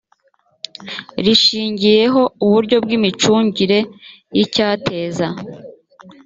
rishingiyeho uburyo bw imicungire y icyateza